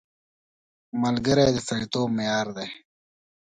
ملګری د سړیتوب معیار دی